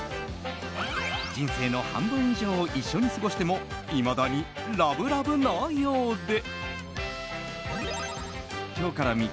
人生の半分以上を一緒に過ごしてもいまだにラブラブなようで。